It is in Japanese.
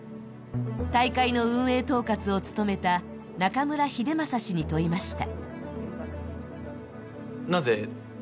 大会の運営統括を務めた中村英正氏に問いました。